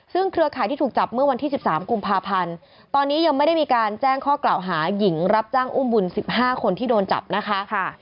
ซึ่งเครือข่ายที่ถูกจับเมื่อวันที่๑๓กุมภาพันธ์ตอนนี้ยังไม่ได้มีการแจ้งข้อกล่าวหาหญิงรับจ้างอุ้มบุญ๑๕คนที่โดนจับนะคะ